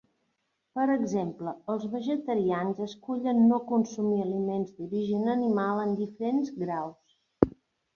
Per exemple, els vegetarians escullen no consumir aliments d'origen animal en diferents graus.